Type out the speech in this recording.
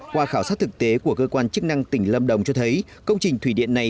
qua khảo sát thực tế của cơ quan chức năng tỉnh lâm đồng cho thấy công trình thủy điện này